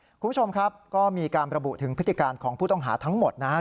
คุณผู้ชมครับก็มีการระบุถึงพฤติการของผู้ต้องหาทั้งหมดนะครับ